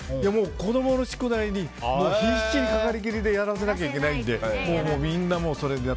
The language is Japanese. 子供の宿題に必死にかかりきりでやらせなきゃいけないのでみんなそれで。